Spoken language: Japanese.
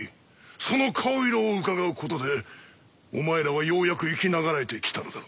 その顔色をうかがうことでお前らはようやく生き長らえてきたのだ。